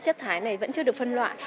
chất thải này vẫn chưa được phân loại